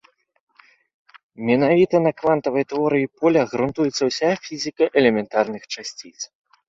Менавіта на квантавай тэорыі поля грунтуецца ўся фізіка элементарных часціц.